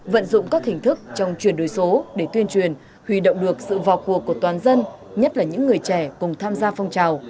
vận dụng các hình thức trong chuyển đổi số để tuyên truyền huy động được sự vào cuộc của toàn dân nhất là những người trẻ cùng tham gia phong trào